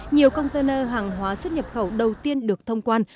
nhiều container hàng hóa xuất nhập khẩu đầu tiên được thông quan